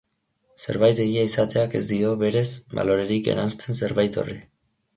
Zerbait egia izateak ez dio, berez, balorerik eransten zerbait horri.